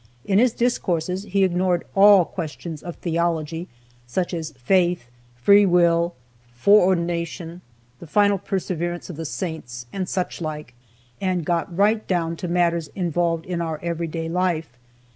In his discourses he ignored all questions of theology, such as faith, free will, foreordination, the final perseverance of the saints, and such like, and got right down to matters involved in our every day life.